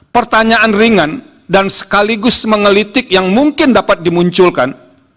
pertanyaan ringan dan sekaligus mengelitik yang mungkin dapat dimunculkan